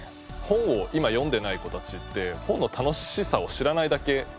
本を今読んでない子たちって本の楽しさを知らないだけなんですよね。